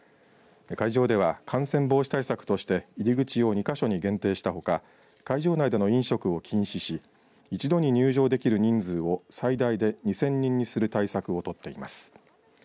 会場では、感染防止対策として入り口を２か所に限定したほか会場内での飲食を禁止し一度に入場できる人数を最大で２０００人にする対策を取っています。